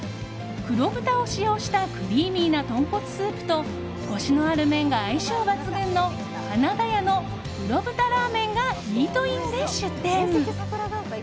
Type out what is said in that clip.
黒豚を使用したクリーミーな豚骨スープとコシのある麺が相性抜群の金田家の黒豚らーめんがイートインで出店！